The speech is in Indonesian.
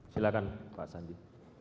silakan pak sandi